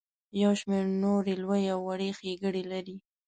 یو شمیر نورې لویې او وړې ښیګړې لري.